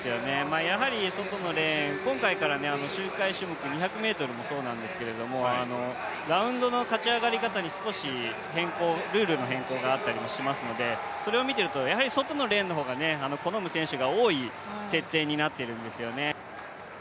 外のレーン、今回から周回種目、２００ｍもそうなんですけどラウンドの勝ち上がり方に少しルールの変更があったりもしますのでそれを見ていると、やはり外のレーンを好む選手が多い設定になってるんですよね。